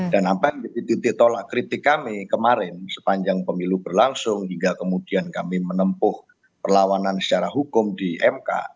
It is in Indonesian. dan apa yang ditolak kritik kami kemarin sepanjang pemilu berlangsung hingga kemudian kami menempuh perlawanan secara hukum di mk